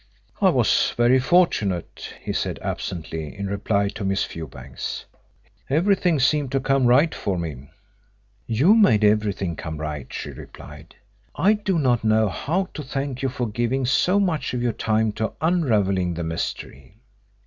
"I was very fortunate," he said absently, in reply to Miss Fewbanks. "Everything seemed to come right for me." "You made everything come right," she replied. "I do not know how to thank you for giving so much of your time to unravelling the mystery."